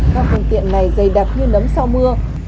các phương tiện này dày đặc như nấm sau mưa